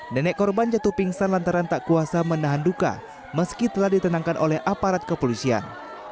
nenek korban jatuh pingsan lantaran tak kuasa menahan duka meski telah ditenangkan oleh aparat kepolisian